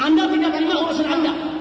anda binggar kelima maksud anda